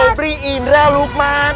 sopri indra lukman